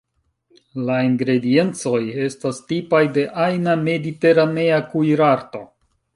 La ingrediencoj estas tipaj de ajna mediteranea kuirarto.